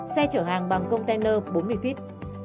xe chở hàng bằng container bốn mươi feet